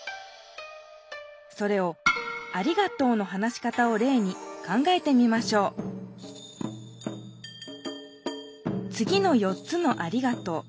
それを「ありがとう」の話し方をれいに考えてみましょうつぎの４つの「ありがとう」。